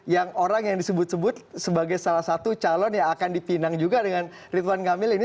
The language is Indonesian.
yang orang yang disebut sebut sebagai salah satu calon yang akan dipinang juga dengan ridwan kamil ini